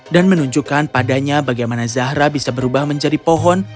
dan menunjukkan padanya bagaimana zahra bisa berubah menjadi pohon